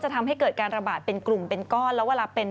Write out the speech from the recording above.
ทำให้เกิดการระบาดเป็นกลุ่มเป็นก้อนแล้วเวลาเป็น